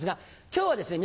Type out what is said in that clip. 今日はですね